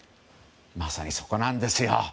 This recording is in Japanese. まさにそこなんです。